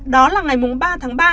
đó là ngày ba tháng ba